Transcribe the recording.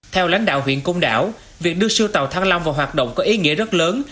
theo lãnh đạo huyện công đảo việc đưa siêu tàu thăng long vào hoạt động có ý nghĩa rất lớn